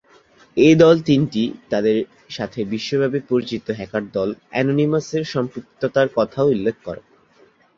এই দল-তিনটি তাদের সাথে বিশ্বব্যাপী পরিচিত হ্যাকার-দল "অ্যানোনিমাস"-এর সম্পৃক্ততার কথাও উল্লেখ করে।